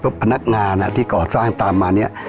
พนักงานที่ก่อสร้างตามมาเนี่ย